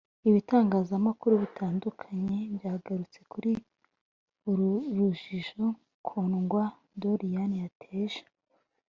Ibitangazamakuru bitandukanye byagarutse kuri uru rujijo Kundwa Doriane yateje